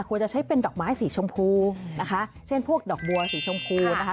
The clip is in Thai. ควรจะใช้เป็นดอกไม้สีชมพูนะคะเช่นพวกดอกบัวสีชมพูนะคะ